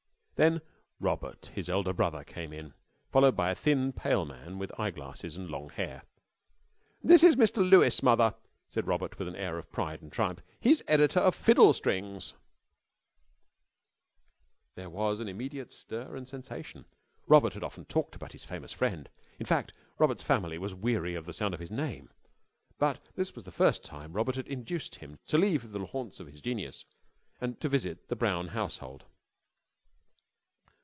Then Robert, his elder brother, came in, followed by a thin, pale man with eye glasses and long hair. "This is Mr. Lewes, mother," said Robert with an air of pride and triumph. "He's editor of Fiddle Strings." There was an immediate stir and sensation. Robert had often talked of his famous friend. In fact Robert's family was weary of the sound of his name, but this was the first time Robert had induced him to leave the haunts of his genius to visit the Brown household.